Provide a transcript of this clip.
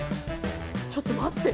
ちょっと待って。